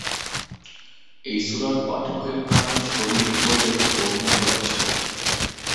এই সূরার পাঠকের নাম ""শরীফ"" বলে বর্ণিত আছে।